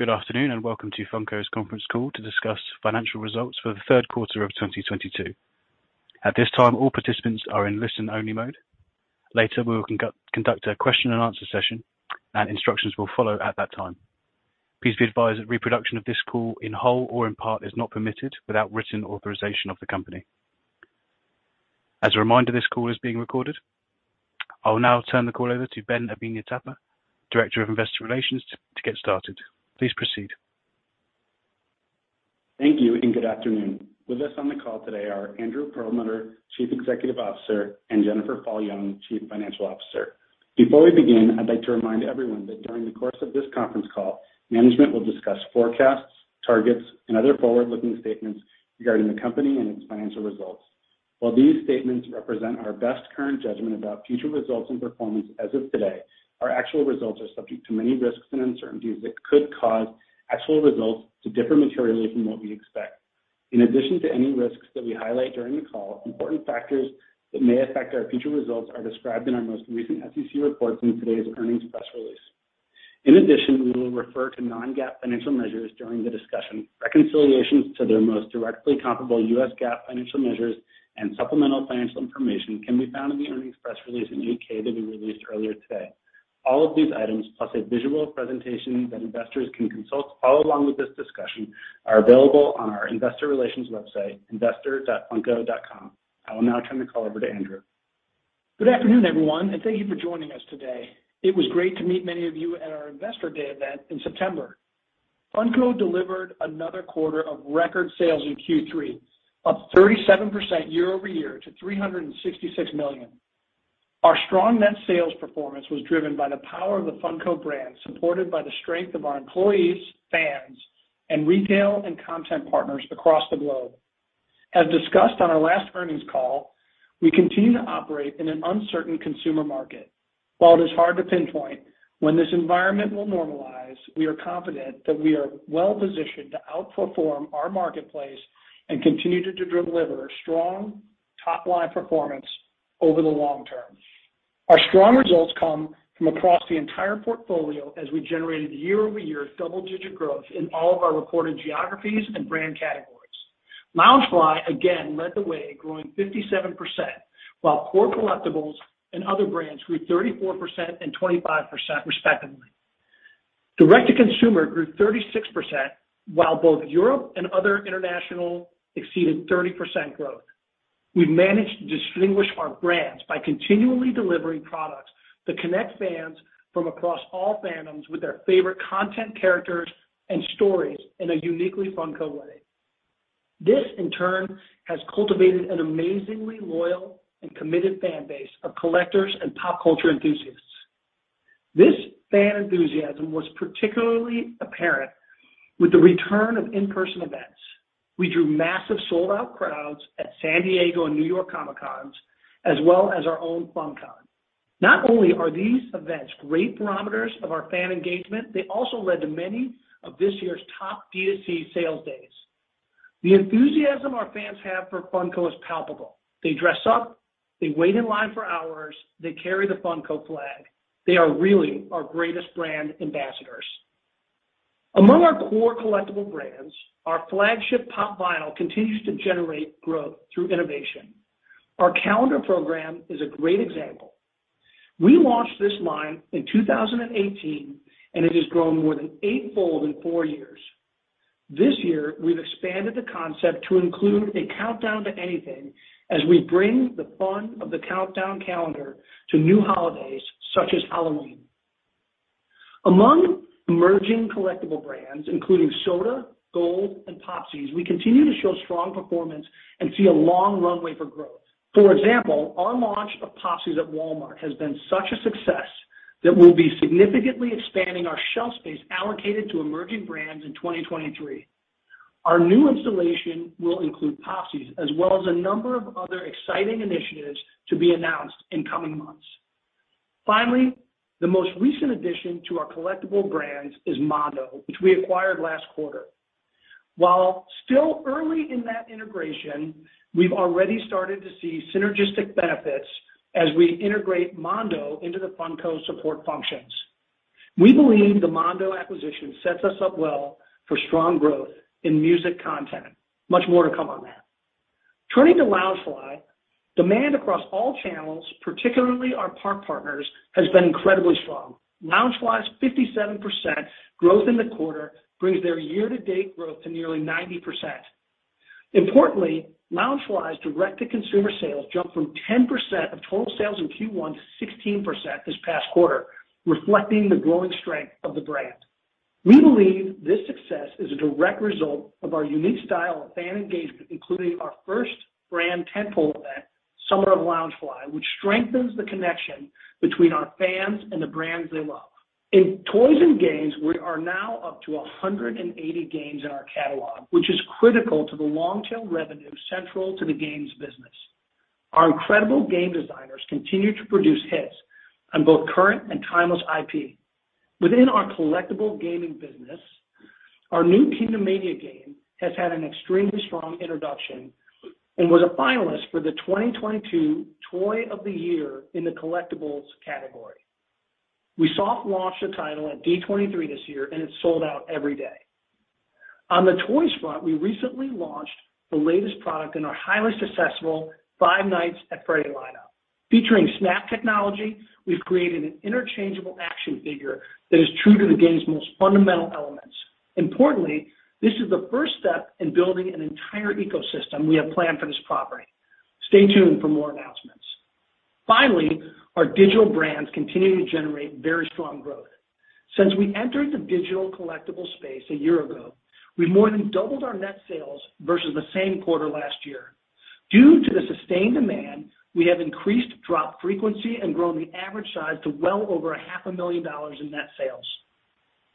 Good afternoon, and welcome to Funko's conference call to discuss financial results for the third quarter of 2022. At this time, all participants are in listen-only mode. Later, we will conduct a question and answer session, and instructions will follow at that time. Please be advised that reproduction of this call in whole or in part is not permitted without written authorization of the company. As a reminder, this call is being recorded. I will now turn the call over to Ben Avenia-Tapper, Director of Investor Relations to get started. Please proceed. Thank you and good afternoon. With us on the call today are Andrew Perlmutter, Chief Executive Officer, and Jennifer Fall Jung, Chief Financial Officer. Before we begin, I'd like to remind everyone that during the course of this conference call, management will discuss forecasts, targets, and other forward-looking statements regarding the company and its financial results. While these statements represent our best current judgment about future results and performance as of today, our actual results are subject to many risks and uncertainties that could cause actual results to differ materially from what we expect. In addition to any risks that we highlight during the call, important factors that may affect our future results are described in our most recent SEC reports in today's earnings press release. In addition, we will refer to non-GAAP financial measures during the discussion. Reconciliations to their most directly comparable U.S. GAAP financial measures and supplemental financial information can be found in the earnings press release and 8-K that we released earlier today. All of these items, plus a visual presentation that investors can use to follow along with this discussion, are available on our investor relations website, investor.funko.com. I will now turn the call over to Andrew. Good afternoon, everyone, and thank you for joining us today. It was great to meet many of you at our Investor Day event in September. Funko delivered another quarter of record sales in Q3, up 37% year-over-year to $366 million. Our strong net sales performance was driven by the power of the Funko brand, supported by the strength of our employees, fans, and retail and content partners across the globe. As discussed on our last earnings call, we continue to operate in an uncertain consumer market. While it is hard to pinpoint when this environment will normalize, we are confident that we are well-positioned to outperform our marketplace and continue to deliver strong top-line performance over the long term. Our strong results come from across the entire portfolio as we generated year-over-year double-digit growth in all of our reported geographies and brand categories. Loungefly again led the way, growing 57%, while core collectibles and other brands grew 34% and 25% respectively. Direct-to-consumer grew 36%, while both Europe and other international exceeded 30% growth. We've managed to distinguish our brands by continually delivering products that connect fans from across all fandoms with their favorite content characters and stories in a uniquely Funko way. This, in turn, has cultivated an amazingly loyal and committed fan base of collectors and pop culture enthusiasts. This fan enthusiasm was particularly apparent with the return of in-person events. We drew massive sold-out crowds at San Diego and New York Comic Cons, as well as our own FunKon. Not only are these events great barometers of our fan engagement, they also led to many of this year's top D2C sales days. The enthusiasm our fans have for Funko is palpable. They dress up, they wait in line for hours, they carry the Funko flag. They are really our greatest brand ambassadors. Among our core collectible brands, our flagship Pop! Vinyl continues to generate growth through innovation. Our calendar program is a great example. We launched this line in 2018, and it has grown more than eight-fold in four years. This year, we've expanded the concept to include a countdown to anything as we bring the fun of the countdown calendar to new holidays such as Halloween. Among emerging collectible brands, including Soda, Gold, and Popsies, we continue to show strong performance and see a long runway for growth. For example, our launch of Popsies at Walmart has been such a success that we'll be significantly expanding our shelf space allocated to emerging brands in 2023. Our new installation will include Popsies as well as a number of other exciting initiatives to be announced in coming months. Finally, the most recent addition to our collectible brands is Mondo, which we acquired last quarter. While still early in that integration, we've already started to see synergistic benefits as we integrate Mondo into the Funko support functions. We believe the Mondo acquisition sets us up well for strong growth in music content. Much more to come on that. Turning to Loungefly, demand across all channels, particularly our park partners, has been incredibly strong. Loungefly's 57% growth in the quarter brings their year-to-date growth to nearly 90%. Importantly, Loungefly's direct-to-consumer sales jumped from 10% of total sales in Q1 to 16% this past quarter, reflecting the growing strength of the brand. We believe this success is a direct result of our unique style of fan engagement, including our first brand tentpole event, Summer of Loungefly, which strengthens the connection between our fans and the brands they love. In toys and games, we are now up to 180 games in our catalog, which is critical to the long-tail revenue central to the games business. Our incredible game designers continue to produce hits on both current and timeless IP. Within our collectible gaming business. Our new Kingdom Mania game has had an extremely strong introduction and was a finalist for the 2022 Toy of the Year in the Collectibles category. We soft launched the title at D23 this year, and it's sold out every day. On the toys front, we recently launched the latest product in our highly successful Five Nights at Freddy's lineup. Featuring SNAPS! technology, we've created an interchangeable action figure that is true to the game's most fundamental elements. Importantly, this is the first step in building an entire ecosystem we have planned for this property. Stay tuned for more announcements. Finally, our digital brands continue to generate very strong growth. Since we entered the digital collectible space a year ago, we've more than doubled our net sales versus the same quarter last year. Due to the sustained demand, we have increased drop frequency and grown the average size to well over half a million dollars in net sales.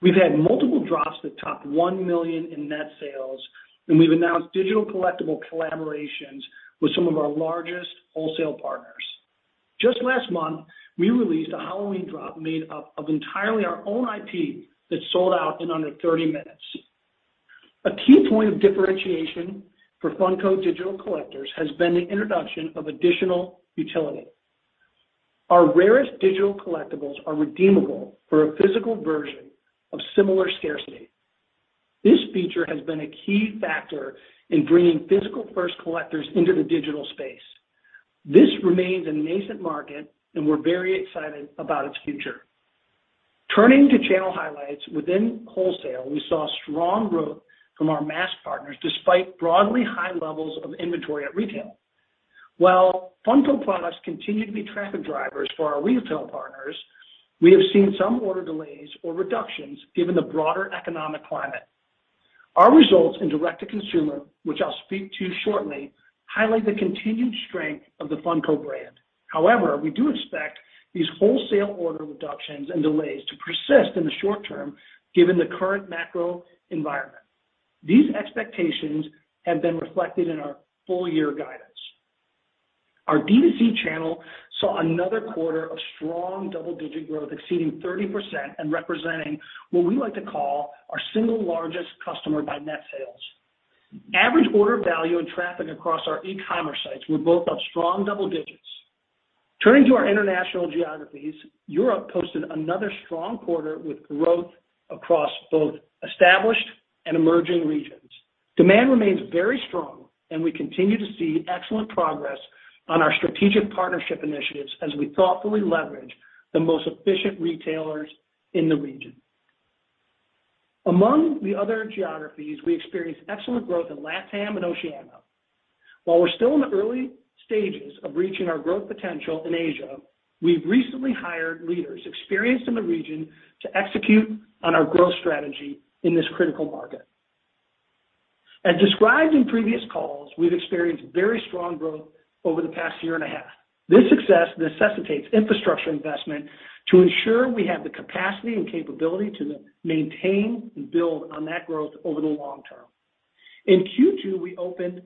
We've had multiple drops that top $1 million in net sales, and we've announced digital collectible collaborations with some of our largest wholesale partners. Just last month, we released a Halloween drop made up of entirely our own IP that sold out in under 30 minutes. A key point of differentiation for Funko's digital collectibles has been the introduction of additional utility. Our rarest digital collectibles are redeemable for a physical version of similar scarcity. This feature has been a key factor in bringing physical-first collectors into the digital space. This remains a nascent market, and we're very excited about its future. Turning to channel highlights within wholesale, we saw strong growth from our mass partners despite broadly high levels of inventory at retail. While Funko products continue to be traffic drivers for our retail partners, we have seen some order delays or reductions given the broader economic climate. Our results in direct-to-consumer, which I'll speak to shortly, highlight the continued strength of the Funko brand. However, we do expect these wholesale order reductions and delays to persist in the short term given the current macro environment. These expectations have been reflected in our full year guidance. Our D2C channel saw another quarter of strong double-digit growth exceeding 30% and representing what we like to call our single largest customer by net sales. Average order value and traffic across our e-commerce sites were both up strong double digits. Turning to our international geographies, Europe posted another strong quarter with growth across both established and emerging regions. Demand remains very strong, and we continue to see excellent progress on our strategic partnership initiatives as we thoughtfully leverage the most efficient retailers in the region. Among the other geographies, we experienced excellent growth in LATAM and Oceania. While we're still in the early stages of reaching our growth potential in Asia, we've recently hired leaders experienced in the region to execute on our growth strategy in this critical market. As described in previous calls, we've experienced very strong growth over the past year and a half. This success necessitates infrastructure investment to ensure we have the capacity and capability to maintain and build on that growth over the long term. In Q2, we opened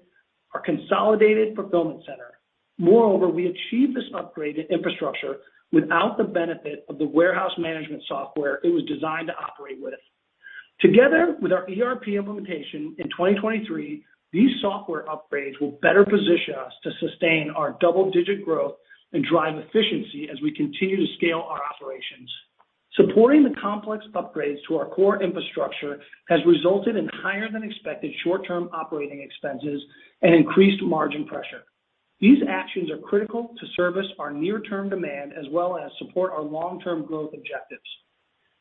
our consolidated fulfillment center. Moreover, we achieved this upgraded infrastructure without the benefit of the warehouse management software it was designed to operate with. Together with our ERP implementation in 2023, these software upgrades will better position us to sustain our double-digit growth and drive efficiency as we continue to scale our operations. Supporting the complex upgrades to our core infrastructure has resulted in higher than expected short-term operating expenses and increased margin pressure. These actions are critical to service our near-term demand as well as support our long-term growth objectives.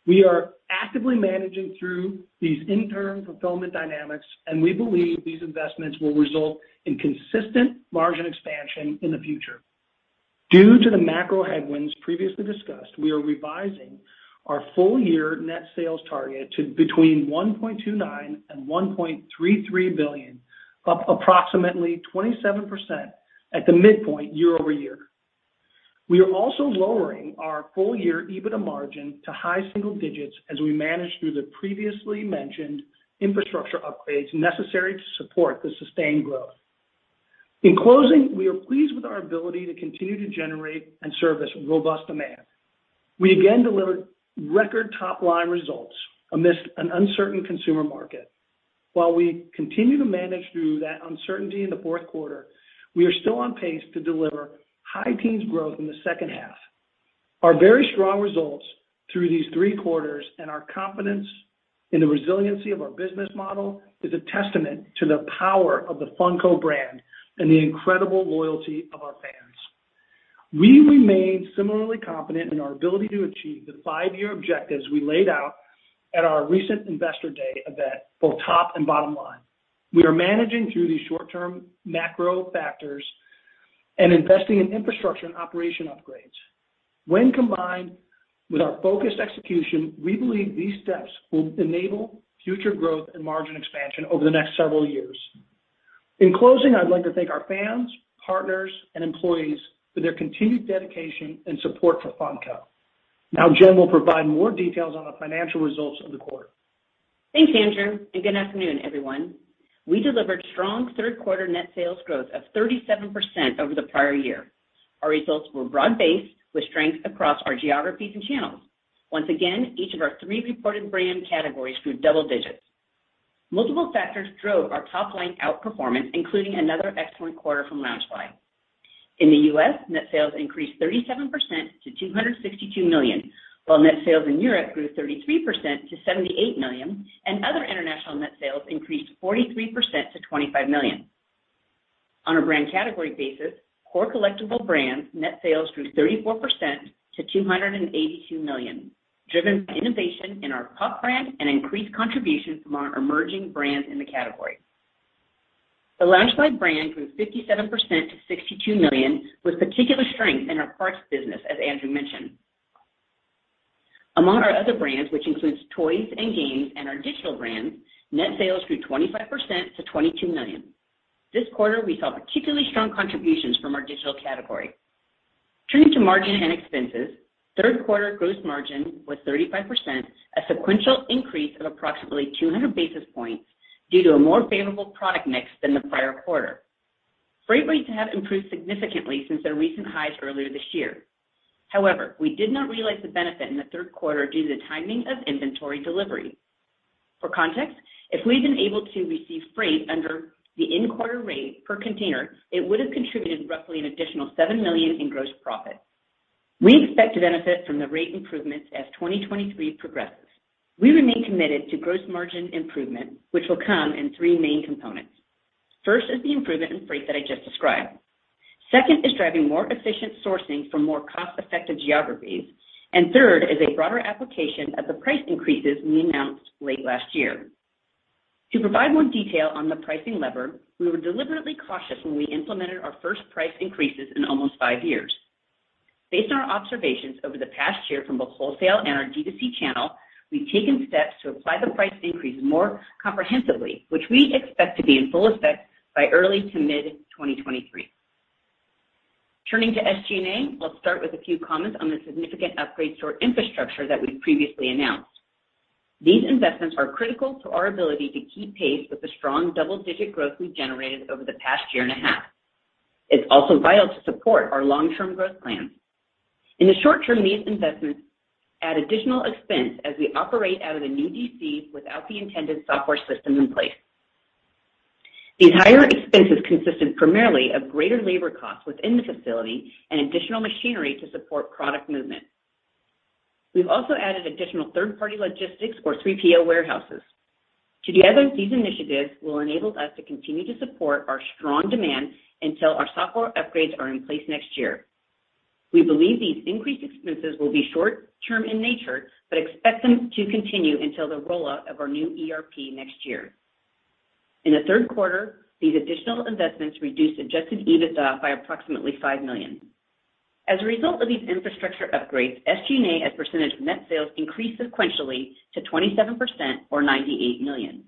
We are actively managing through these interim fulfillment dynamics, and we believe these investments will result in consistent margin expansion in the future. Due to the macro headwinds previously discussed, we are revising our full year net sales target to between $1.29 billion and $1.33 billion, up approximately 27% at the midpoint year-over-year. We are also lowering our full year EBITDA margin to high single digits% as we manage through the previously mentioned infrastructure upgrades necessary to support the sustained growth. In closing, we are pleased with our ability to continue to generate and service robust demand. We again delivered record top-line results amidst an uncertain consumer market. While we continue to manage through that uncertainty in the fourth quarter, we are still on pace to deliver high teens% growth in the second half. Our very strong results through these three quarters and our confidence in the resiliency of our business model is a testament to the power of the Funko brand and the incredible loyalty of our fans. We remain similarly confident in our ability to achieve the five-year objectives we laid out at our recent Investor Day event for top and bottom line. We are managing through these short-term macro factors and investing in infrastructure and operational upgrades. When combined with our focused execution, we believe these steps will enable future growth and margin expansion over the next several years. In closing, I'd like to thank our fans, partners, and employees for their continued dedication and support for Funko. Now Jen will provide more details on the financial results of the quarter. Thanks, Andrew, and good afternoon, everyone. We delivered strong third quarter net sales growth of 37% over the prior year. Our results were broad-based with strength across our geographies and channels. Once again, each of our three reported brand categories grew double digits. Multiple factors drove our top line outperformance, including another excellent quarter from Loungefly. In the U.S., net sales increased 37% to $262 million, while net sales in Europe grew 33% to $78 million, and other international net sales increased 43% to $25 million. On a brand category basis, core collectible brands net sales grew 34% to $282 million, driven by innovation in our Pop! brand and increased contributions from our emerging brands in the category. The Loungefly brand grew 57% to $62 million, with particular strength in our parts business, as Andrew mentioned. Among our other brands, which includes toys and games and our digital brands, net sales grew 25% to $22 million. This quarter, we saw particularly strong contributions from our digital category. Turning to margin and expenses. Third quarter gross margin was 35%, a sequential increase of approximately 200 basis points due to a more favorable product mix than the prior quarter. Freight rates have improved significantly since their recent highs earlier this year. However, we did not realize the benefit in the third quarter due to the timing of inventory delivery. For context, if we've been able to receive freight under the in-quarter rate per container, it would have contributed roughly an additional $7 million in gross profit. We expect to benefit from the rate improvements as 2023 progresses. We remain committed to gross margin improvement, which will come in three main components. First is the improvement in freight that I just described. Second is driving more efficient sourcing for more cost-effective geographies. Third is a broader application of the price increases we announced late last year. To provide more detail on the pricing lever, we were deliberately cautious when we implemented our first price increases in almost five years. Based on our observations over the past year from both wholesale and our D2C channel, we've taken steps to apply the price increase more comprehensively, which we expect to be in full effect by early to mid-2023. Turning to SG&A, let's start with a few comments on the significant upgrades to our infrastructure that we previously announced. These investments are critical to our ability to keep pace with the strong double-digit growth we've generated over the past year and a half. It's also vital to support our long-term growth plans. In the short term, these investments add additional expense as we operate out of the new DCs without the intended software systems in place. These higher expenses consisted primarily of greater labor costs within the facility and additional machinery to support product movement. We've also added additional third-party logistics or 3PL warehouses. Together, these initiatives will enable us to continue to support our strong demand until our software upgrades are in place next year. We believe these increased expenses will be short-term in nature, but expect them to continue until the rollout of our new ERP next year. In the third quarter, these additional investments reduced adjusted EBITDA by approximately $5 million. As a result of these infrastructure upgrades, SG&A as a percentage of net sales increased sequentially to 27% or $98 million.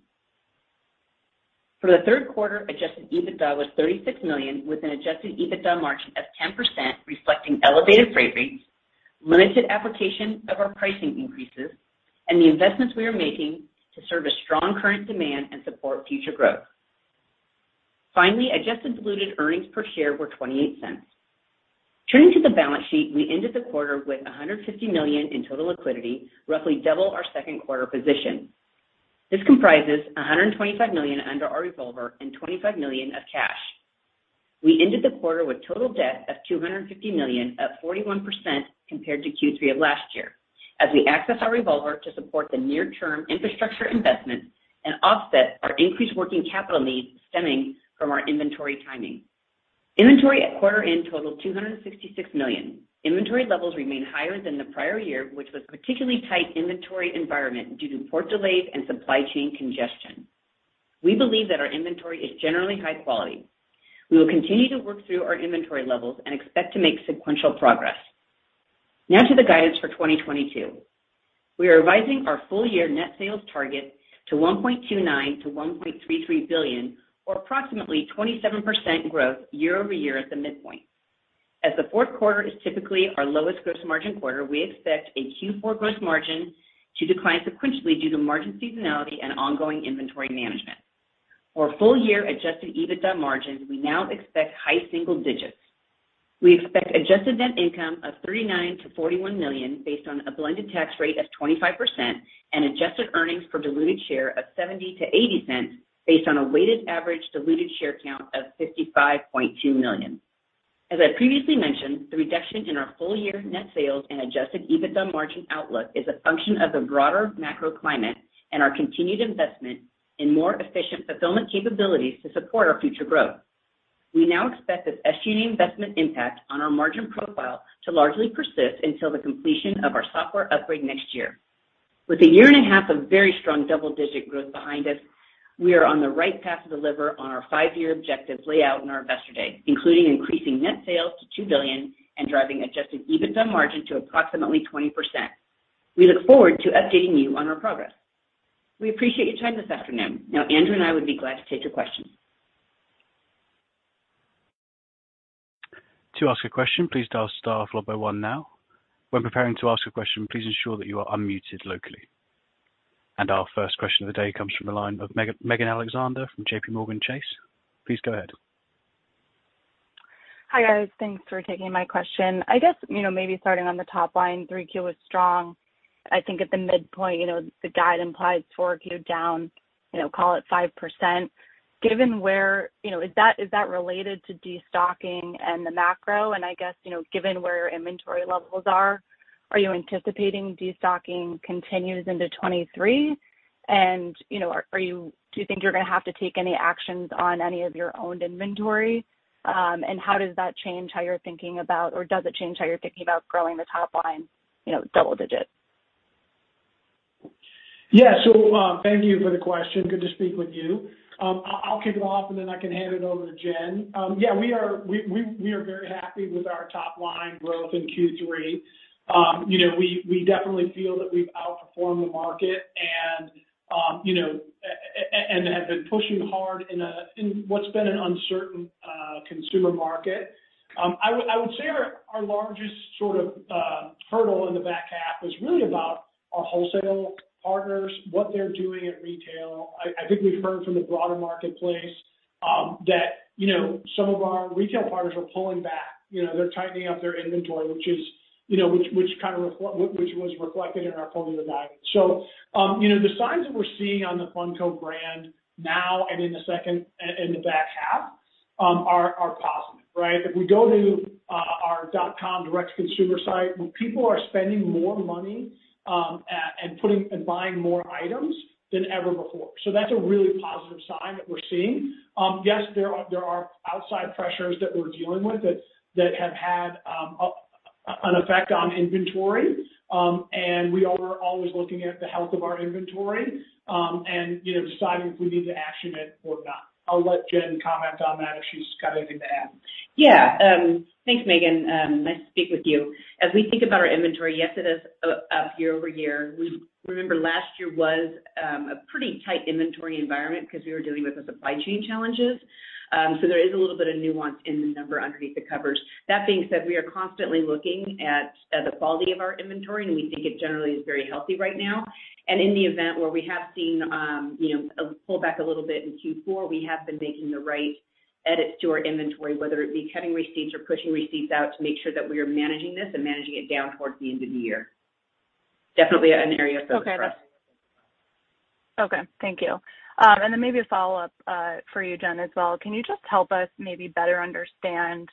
For the third quarter, adjusted EBITDA was $36 million, with an adjusted EBITDA margin of 10%, reflecting elevated freight rates, limited application of our pricing increases, and the investments we are making to serve a strong current demand and support future growth. Finally, adjusted diluted earnings per share were $0.28. Turning to the balance sheet, we ended the quarter with $150 million in total liquidity, roughly double our second quarter position. This comprises $125 million under our revolver and $25 million of cash. We ended the quarter with total debt of $250 million, up 41% compared to Q3 of last year, as we access our revolver to support the near-term infrastructure investments and offset our increased working capital needs stemming from our inventory timing. Inventory at quarter end totaled $266 million. Inventory levels remain higher than the prior year, which was particularly tight inventory environment due to port delays and supply chain congestion. We believe that our inventory is generally high quality. We will continue to work through our inventory levels and expect to make sequential progress. Now to the guidance for 2022. We are revising our full-year net sales target to $1.29-$1.33 billion or approximately 27% growth year-over-year at the midpoint. As the fourth quarter is typically our lowest gross margin quarter, we expect a Q4 gross margin to decline sequentially due to margin seasonality and ongoing inventory management. For full-year adjusted EBITDA margins, we now expect high single digits. We expect adjusted net income of $39 million-$41 million based on a blended tax rate of 25% and adjusted earnings per diluted share of $0.70-$0.80 based on a weighted average diluted share count of 55.2 million. As I previously mentioned, the reduction in our full year net sales and adjusted EBITDA margin outlook is a function of the broader macro climate and our continued investment in more efficient fulfillment capabilities to support our future growth. We now expect this SG&A investment impact on our margin profile to largely persist until the completion of our software upgrade next year. With a year and a half of very strong double-digit growth behind us, we are on the right path to deliver on our five-year objective laid out in our Investor Day, including increasing net sales to $2 billion and driving adjusted EBITDA margin to approximately 20%. We look forward to updating you on our progress. We appreciate your time this afternoon. Now, Andrew and I would be glad to take your questions. To ask a question, please dial star followed by one now. When preparing to ask a question, please ensure that you are unmuted locally. Our first question of the day comes from the line of Megan Alexander from JPMorgan. Please go ahead. Hi, guys. Thanks for taking my question. I guess, you know, maybe starting on the top line, Q3 was strong. I think at the midpoint, you know, the guide implies Q4 down, you know, call it 5%. Given where you know, is that related to destocking and the macro? I guess, you know, given where inventory levels are you anticipating destocking continues into 2023? You know, do you think you're gonna have to take any actions on any of your owned inventory? How does that change how you're thinking about or does it change how you're thinking about growing the top line, you know, double-digit? Yeah. Thank you for the question. Good to speak with you. I'll kick it off, and then I can hand it over to Jen. Yeah, we are very happy with our top line growth in Q3. You know, we definitely feel that we've outperformed the market and, you know, and have been pushing hard in what's been an uncertain consumer market. I would say our largest sort of hurdle in the back half was really about our wholesale partners, what they're doing at retail. I think we've heard from the broader marketplace that, you know, some of our retail partners are pulling back. You know, they're tightening up their inventory, which is, you know, which was reflected in our pulling the guidance. You know, the signs that we're seeing on the Funko brand now and in the back half are positive, right? If we go to our dot-com direct-to-consumer site, people are spending more money and buying more items than ever before. That's a really positive sign that we're seeing. Yes, there are outside pressures that we're dealing with that have had an effect on inventory. We are always looking at the health of our inventory and, you know, deciding if we need to action it or not. I'll let Jen comment on that if she's got anything to add. Yeah. Thanks, Megan. Nice to speak with you. As we think about our inventory, yes, it is up year-over-year. Remember, last year was a pretty tight inventory environment because we were dealing with the supply chain challenges. So there is a little bit of nuance in the number underneath the covers. That being said, we are constantly looking at the quality of our inventory, and we think it generally is very healthy right now. In the event where we have seen, you know, a pullback a little bit in Q4, we have been making the right edits to our inventory, whether it be cutting receipts or pushing receipts out to make sure that we are managing this and managing it down towards the end of the year. Definitely an area of focus for us. Okay. Thank you. Maybe a follow-up for you, Jen, as well. Can you just help us maybe better understand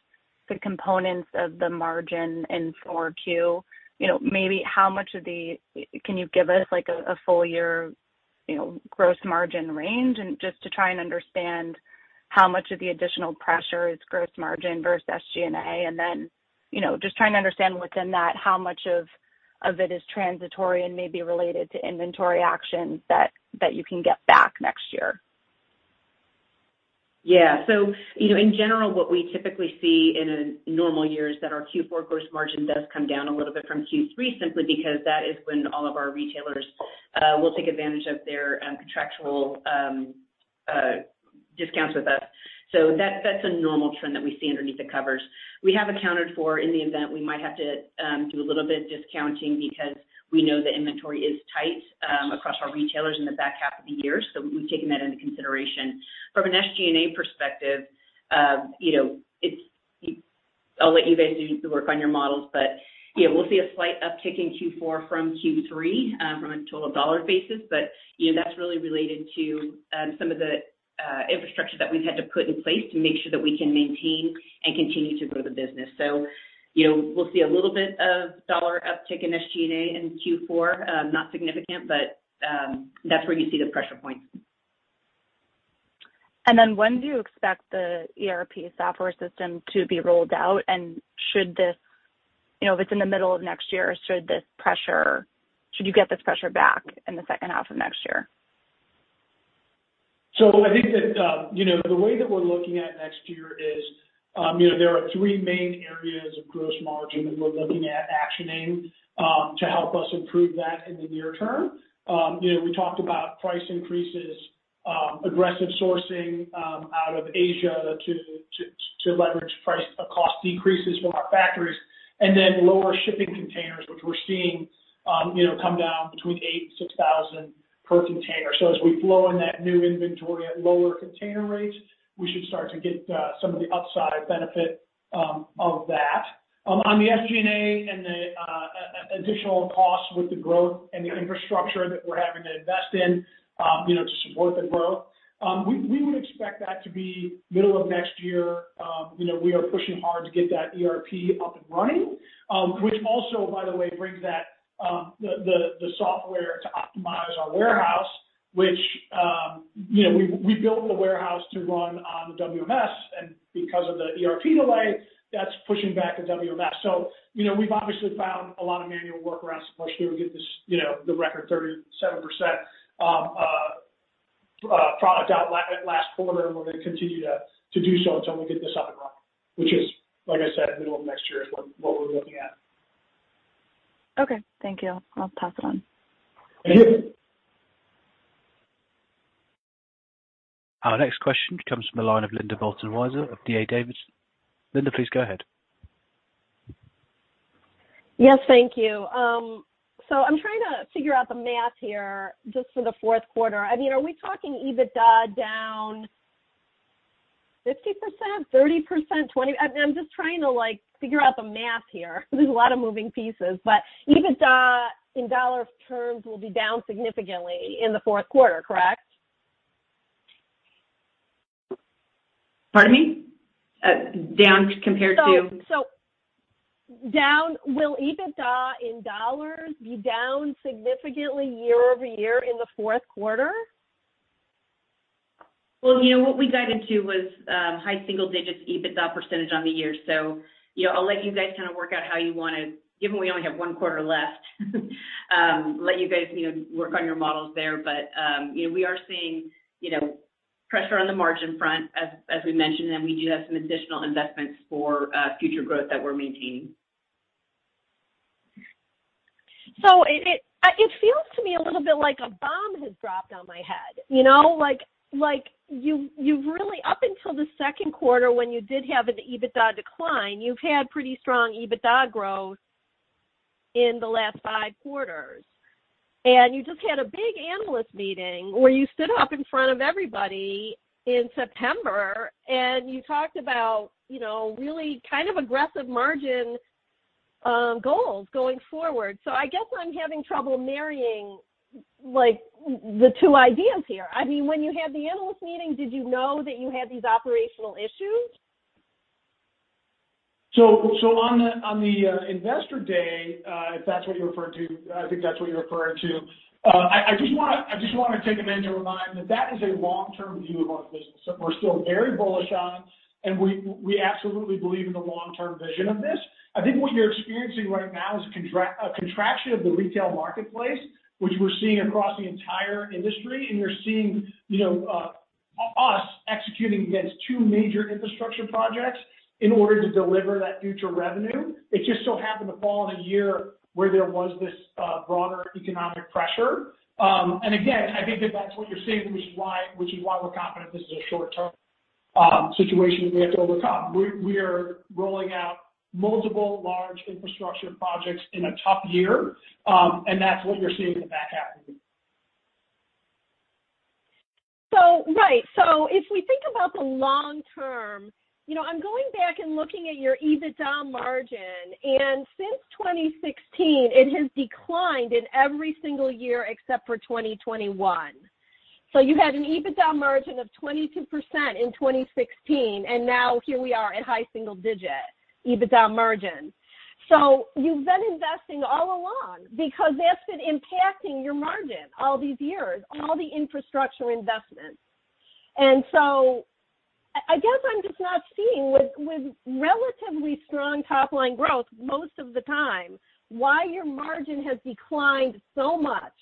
the components of the margin in Q4? Maybe how much of the. Can you give us, like, a full year, you know, gross margin range and just to try and understand how much of the additional pressure is gross margin versus SG&A? You know, just trying to understand within that how much of it is transitory and maybe related to inventory actions that you can get back next year. Yeah. You know, in general, what we typically see in a normal year is that our Q4 gross margin does come down a little bit from Q3 simply because that is when all of our retailers will take advantage of their contractual discounts with us. That's a normal trend that we see underneath the covers. We have accounted for in the event we might have to do a little bit of discounting because we know the inventory is tight across our retailers in the back half of the year. We've taken that into consideration. From an SG&A perspective, I'll let you guys do the work on your models. Yeah, we'll see a slight uptick in Q4 from Q3 from a total dollar basis. You know, that's really related to some of the infrastructure that we've had to put in place to make sure that we can maintain and continue to grow the business. You know, we'll see a little bit of dollar uptick in SG&A in Q4, not significant, but that's where you see the pressure points. When do you expect the ERP software system to be rolled out? You know, if it's in the middle of next year, should you get this pressure back in the second half of next year? I think that, you know, the way that we're looking at next year is, you know, there are three main areas of gross margin that we're looking at actioning, to help us improve that in the near term. We talked about price increases, aggressive sourcing, out of Asia to leverage cost decreases from our factories, and then lower shipping containers, which we're seeing, you know, come down between $8,000 and $6,000 per container. As we flow in that new inventory at lower container rates, we should start to get some of the upside benefit of that. On the SG&A and the additional costs with the growth and the infrastructure that we're having to invest in to support the growth, we would expect that to be middle of next year. You know, we are pushing hard to get that ERP up and running, which also, by the way, brings the software to optimize our warehouse, which, you know, we built the warehouse to run on the WMS, and because of the ERP delay, that's pushing back the WMS. We've obviously found a lot of manual workarounds to push through and get this, you know, the record 37% product out last quarter, and we're gonna continue to do so until we get this up and running, which is, like I said, middle of next year is what we're looking at. Okay. Thank you. I'll pass it on. Thank you. Our next question comes from the line of Linda Bolton Weiser of D.A. Davidson. Linda, please go ahead. Yes, thank you. I'm trying to figure out the math here just for the fourth quarter. I mean, are we talking EBITDA down 50%, 30%, 20%? I'm just trying to, like, figure out the math here. There's a lot of moving pieces, but EBITDA in dollar terms will be down significantly in the fourth quarter, correct? Pardon me? Down compared to Will EBITDA in dollars be down significantly year-over-year in the fourth quarter? Well, you know, what we guided to was high single digits EBITDA percentage on the year. You know, I'll let you guys kinda work out how you wanna. Given we only have one quarter left, let you guys, you know, work on your models there. We are seeing pressure on the margin front as we mentioned, and we do have some additional investments for future growth that we're maintaining. It feels to me a little bit like a bomb has dropped on my head, you know. Like, you've really up until the second quarter when you did have an EBITDA decline, you've had pretty strong EBITDA growth in the last five quarters. You just had a big analyst meeting where you stood up in front of everybody in September and you talked about really kind of aggressive margin goals going forward. I guess I'm having trouble marrying, like, the two ideas here. I mean, when you had the analyst meeting, did you know that you had these operational issues? On the Investor Day, if that's what you're referring to, I think that's what you're referring to. I just want to take a minute to remind that that is a long-term view of our business that we're still very bullish on, and we absolutely believe in the long-term vision of this. I think what you're experiencing right now is a contraction of the retail marketplace, which we're seeing across the entire industry, and you're seeing us executing against two major infrastructure projects in order to deliver that future revenue. It just so happened to fall in a year where there was this broader economic pressure. Again, I think that's what you're seeing, which is why we're confident this is a short-term situation we have to overcome. We are rolling out multiple large infrastructure projects in a tough year, and that's what you're seeing with that happening. If we think about the long term, you know, I'm going back and looking at your EBITDA margin, and since 2016, it has declined in every single year except for 2021. You had an EBITDA margin of 22% in 2016, and now here we are at high single digit EBITDA margin. You've been investing all along because that's been impacting your margin all these years, all the infrastructure investments. I guess I'm just not seeing with relatively strong top-line growth most of the time, why your margin has declined so much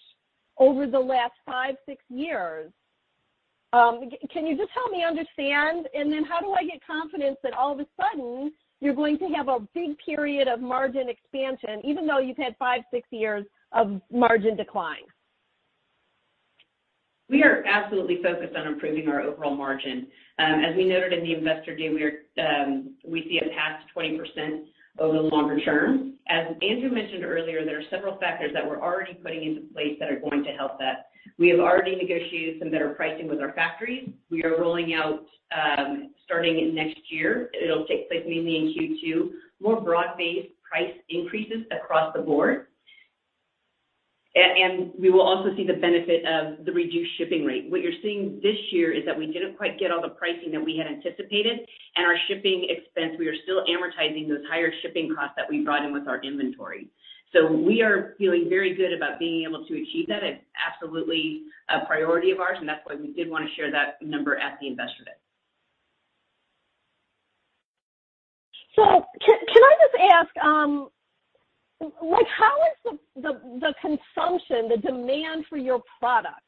over the last five, six years. Can you just help me understand? Then how do I get confidence that all of a sudden you're going to have a big period of margin expansion even though you've had five, six years of margin decline? We are absolutely focused on improving our overall margin. As we noted in the Investor Day, we see a path to 20% over the longer term. As Andrew mentioned earlier, there are several factors that we're already putting into place that are going to help that. We have already negotiated some better pricing with our factories. We are rolling out, starting next year, it'll take place mainly in Q2, more broad-based price increases across the board. And we will also see the benefit of the reduced shipping rate. What you're seeing this year is that we didn't quite get all the pricing that we had anticipated and our shipping expense, we are still amortizing those higher shipping costs that we brought in with our inventory. We are feeling very good about being able to achieve that. It's absolutely a priority of ours, and that's why we did wanna share that number at the Investor Day. Can I just ask, how is the consumption, the demand for your products?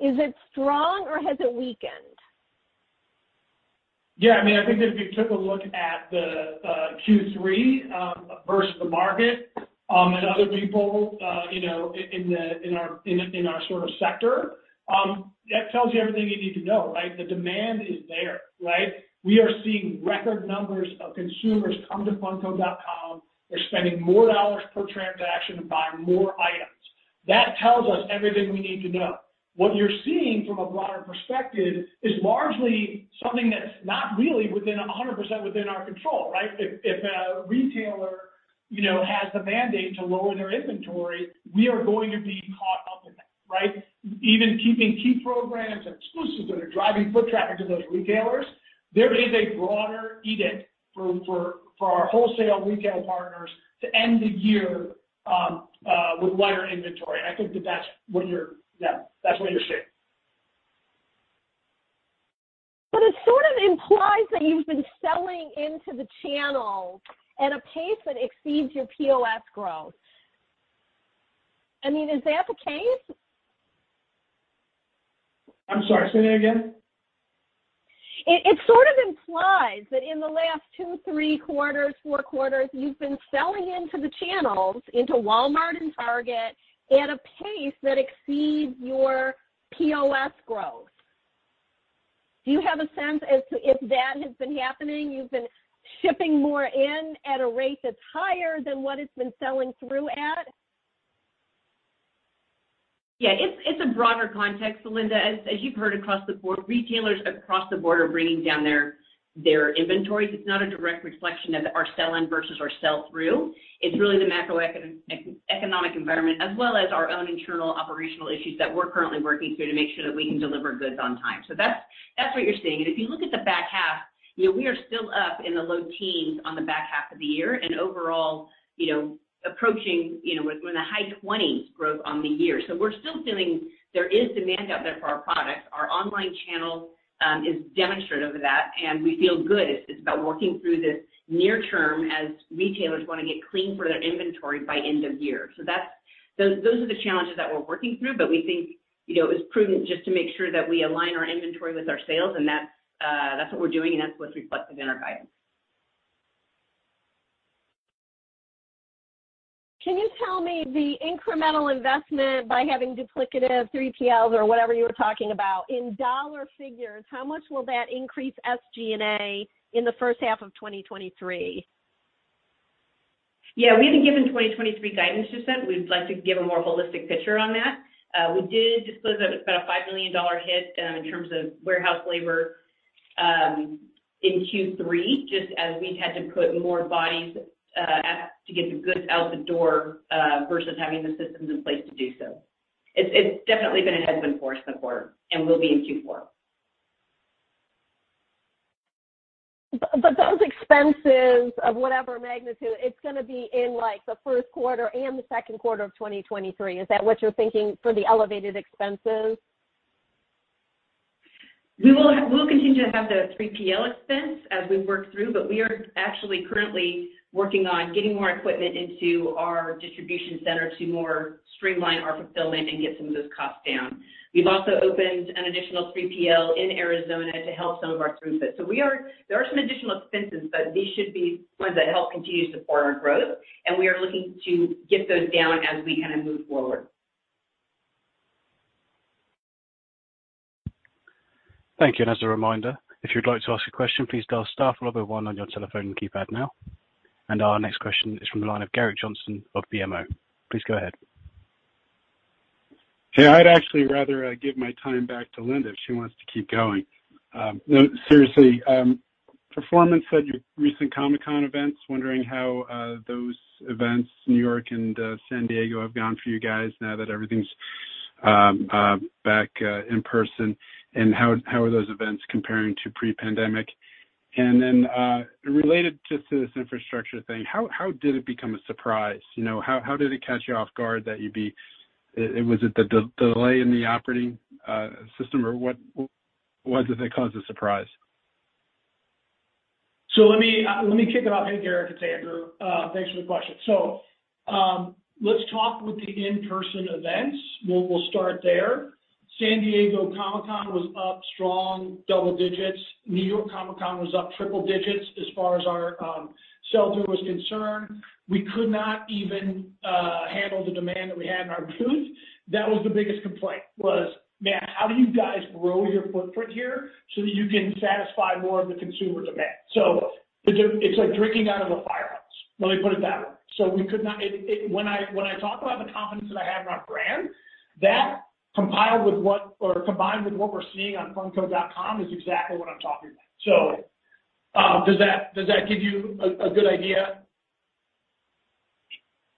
Is it strong or has it weakened? Yeah. I mean, I think if you took a look at the Q3 versus the market and other people, you know, in our sort of sector, that tells you everything you need to know, right? The demand is there, right? We are seeing record numbers of consumers come to funko.com. They're spending more dollars per transaction and buying more items. That tells us everything we need to know. What you're seeing from a broader perspective is largely something that's not really 100% within our control, right? If a retailer has the mandate to lower their inventory, we are going to be caught up in that, right? Even keeping key programs and exclusives that are driving foot traffic to those retailers, there is a broader edict for our wholesale and retail partners to end the year with lighter inventory. I think that's what you're seeing. Yeah, that's what you're seeing. It sort of implies that you've been selling into the channel at a pace that exceeds your POS growth. I mean, is that the case? I'm sorry, say that again. It sort of implies that in the last 2, 3 quarters, 4 quarters, you've been selling into the channels Walmart and Target at a pace that exceeds your POS growth. Do you have a sense as to if that has been happening, you've been shipping more in at a rate that's higher than what it's been selling through at? Yeah. It's a broader context, Linda. As you've heard across the board, retailers across the board are bringing down their inventories. It's not a direct reflection of our sell-in versus our sell-through. It's really the macroeconomic economic environment as well as our own internal operational issues that we're currently working through to make sure that we can deliver goods on time. That's what you're seeing. If you look at the back half, you know, we are still up in the low teens% on the back half of the year and overall, you know, approaching, you know, we're in the high 20s% growth on the year. We're still feeling there is demand out there for our products. Our online channel is demonstrative of that, and we feel good.It's about working through this near term as retailers wanna get clean for their inventory by end of year. Those are the challenges that we're working through, but we think, you know, it's prudent just to make sure that we align our inventory with our sales, and that's what's reflected in our guidance. Can you tell me the incremental investment by having duplicative 3PLs or whatever you were talking about in dollar figures, how much will that increase SG&A in the first half of 2023? Yeah. We haven't given 2023 guidance just yet. We'd like to give a more holistic picture on that. We did disclose that it's about a $5 million hit in terms of warehouse labor in Q3, just as we had to put more bodies at DCs to get the goods out the door versus having the systems in place to do so. It's definitely been a headwind for us this quarter and will be in Q4. Those expenses of whatever magnitude it's gonna be in, like, the first quarter and the second quarter of 2023. Is that what you're thinking for the elevated expenses? We'll continue to have the 3PL expense as we work through, but we are actually currently working on getting more equipment into our distribution center to more streamline our fulfillment and get some of those costs down. We've also opened an additional 3PL in Arizona to help some of our throughput. There are some additional expenses, but these should be ones that help continue to support our growth, and we are looking to get those down as we kinda move forward. Thank you. As a reminder, if you'd like to ask a question, please dial star followed by one on your telephone keypad now. Our next question is from the line of Gerrick Johnson of BMO. Please go ahead. Yeah. I'd actually rather give my time back to Linda if she wants to keep going. No, seriously, performance at your recent Comic-Con events, wondering how those events, New York and San Diego, have gone for you guys now that everything's back in person and how are those events comparing to pre-pandemic? Related just to this infrastructure thing, how did it become a surprise? You know, how did it catch you off guard? Was it the delay in the operating system, or what is it that caused the surprise? Let me kick it off. Hey, Garrett, it's Andrew. Thanks for the question. Let's talk with the in-person events. We'll start there. San Diego Comic-Con was up strong double digits. New York Comic-Con was up triple digits as far as our sell-through was concerned. We could not even handle the demand that we had in our booths. That was the biggest complaint, "Man, how do you guys grow your footprint here so that you can satisfy more of the consumer demand?" It's like drinking out of a fire hose. Let me put it that way. When I talk about the confidence that I have in our brand, that combined with what we're seeing on funko.com is exactly what I'm talking about. Does that give you a good idea?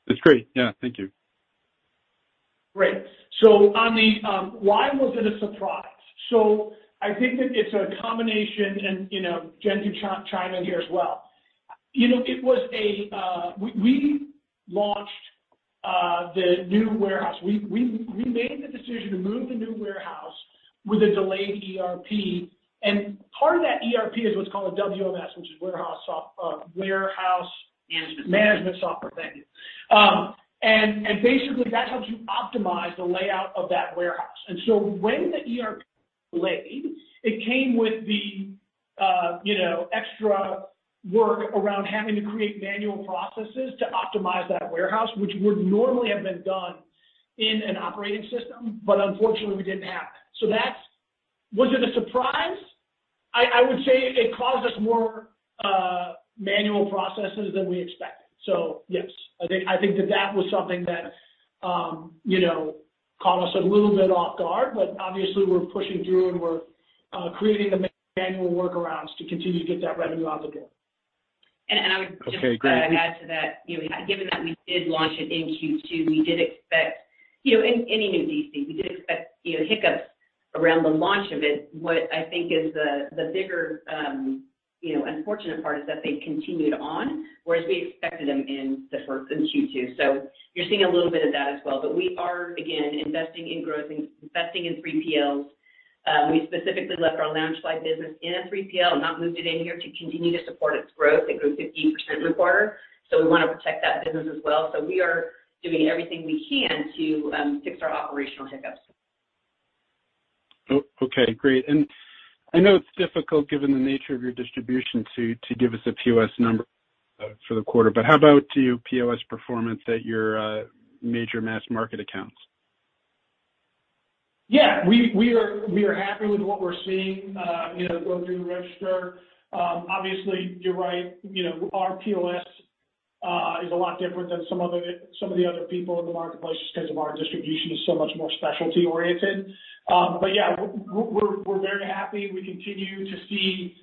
That's great. Yeah. Thank you. Great. On the why was it a surprise? I think that it's a combination and, you know, Jen can chime in here as well. We launched the new warehouse. We made the decision to move the new warehouse with a delayed ERP, and part of that ERP is what's called a WMS, which is Warehouse. Management Management software. Thank you. Basically, that helps you optimize the layout of that warehouse. When the ERP delayed, it came with the extra work around having to create manual processes to optimize that warehouse, which would normally have been done in an operating system, but unfortunately, we didn't have it. So that's. Was it a surprise? I would say it caused us more manual processes than we expected. So yes. I think that was something that, you know, caught us a little bit off guard, but obviously, we're pushing through and we're creating the manual workarounds to continue to get that revenue out the door. Okay, great. Add to that, you know, given that we did launch it in Q2, we did expect any new DC, you know, hiccups around the launch of it. What I think is the bigger, you know, unfortunate part is that they continued on, whereas we expected them in Q2. You're seeing a little bit of that as well. We are again investing in growth and investing in 3PLs. We specifically left our Loungefly business in a 3PL and not moved it in here to continue to support its growth. It grew 50% quarter, so we wanna protect that business as well. We are doing everything we can to fix our operational hiccups. Okay, great. I know it's difficult given the nature of your distribution to give us a POS number for the quarter, but how about your POS performance at your major mass market accounts? Yeah. We are happy with what we're seeing, you know, go through the register. Obviously, you're right. Our POS is a lot different than some of the other people in the marketplace just 'cause of our distribution is so much more specialty oriented. But yeah, we're very happy. We continue to see,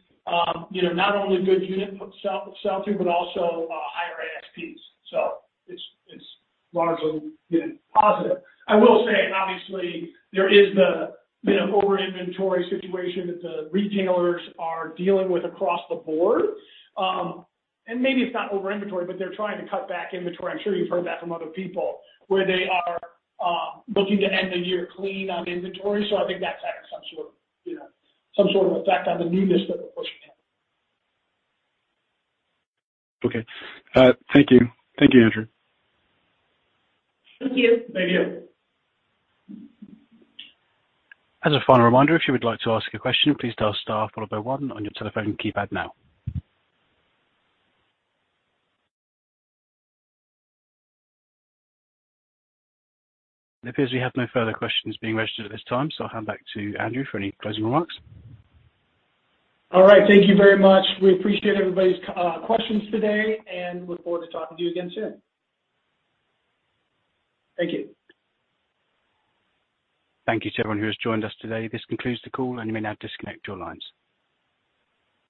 you know, not only good unit sell-through, but also higher ASPs. So it's largely, you know, positive. I will say, obviously there is the over inventory situation that the retailers are dealing with across the board. And maybe it's not over inventory, but they're trying to cut back inventory. I'm sure you've heard that from other people, where they are looking to end the year clean on inventory. I think that's having some sort of, you know, some sort of effect on the newness that we're pushing in. Thank you, Andrew. Thank you. Thank you. As a final reminder, if you would like to ask a question, please dial star followed by one on your telephone keypad now. It appears we have no further questions being registered at this time, so I'll hand back to Andrew for any closing remarks. All right. Thank you very much. We appreciate everybody's questions today and look forward to talking to you again soon. Thank you. Thank you to everyone who has joined us today. This concludes the call, and you may now disconnect your lines.